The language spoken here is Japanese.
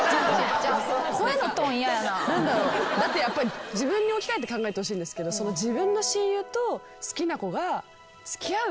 何だろうだってやっぱり自分に置き換えて考えてほしいんですけど自分の親友と好きな子が付き合う。